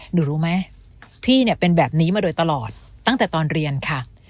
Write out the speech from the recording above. หนูรู้ไหมพี่เนี่ยเป็นแบบนี้มาโดยตลอดตั้งแต่ตอนเรียนค่ะ